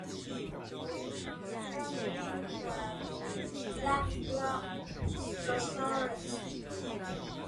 重構黑箱社會